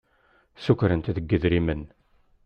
Sukren-t deg idrimen.